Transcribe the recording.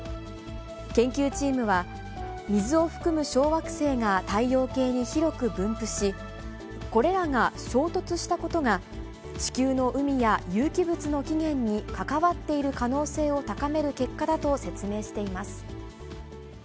研究チームは、水を含む小惑星が太陽系に広く分布し、これらが衝突したことが地球の海や有機物の起源に関わっている可能性を高める結果だと説明しています。